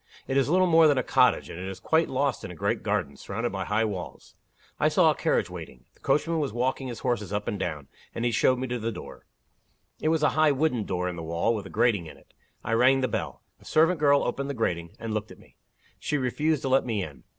It is little more than a cottage; and it is quite lost in a great garden, surrounded by high walls. I saw a carriage waiting. The coachman was walking his horses up and down and he showed me the door. It was a high wooden door in the wall, with a grating in it. I rang the bell. A servant girl opened the grating, and looked at me. She refused to let me in.